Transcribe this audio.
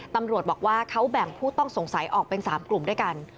ตำรวจบอกว่าเขาแบ่งผู้ต้องสงสัยออกเป็น๓กลุ่มด้วยกัน